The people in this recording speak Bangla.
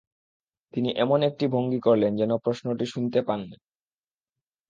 তিনি এমন একটি ভঙ্গি করলেন, যেন প্রশ্নটি শুনতে পান নি।